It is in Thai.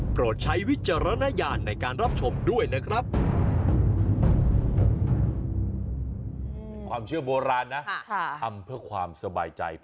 ใช้วิจารณญาณในการรับชมด้วยนะครับ